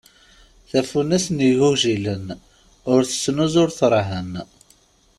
Tafunast n yigujilen ur t tettnuzu ur trehhen.